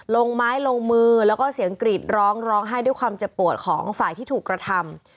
ลงไม้ลงมือแล้วก็เสียงกรีดร้องร้องไห้ด้วยความเจ็บปวดของฝ่ายที่ถูกกระทำ